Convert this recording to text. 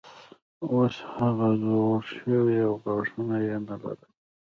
اوس هغه زوړ شوی و او غاښونه یې نه لرل.